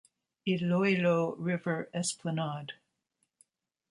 Iloilo River Esplanade.